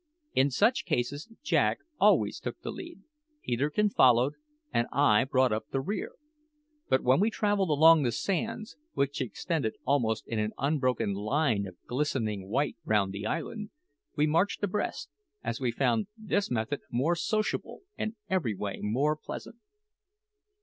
In such cases Jack always took the lead, Peterkin followed, and I brought up the rear. But when we travelled along the sands, which extended almost in an unbroken line of glistening white round the island, we marched abreast, as we found this method more sociable and every way more pleasant.